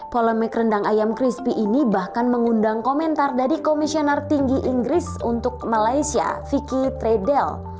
polemik rendang ayam krispi ini bahkan mengundang komentar dari komisioner tinggi inggris untuk malaysia vicky tredel